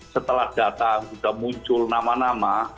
setelah data sudah muncul nama nama